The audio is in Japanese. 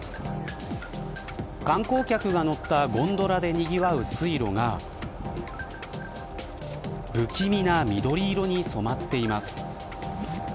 観光客が乗ったゴンドラでにぎわう水路が不気味な緑色に染まっています。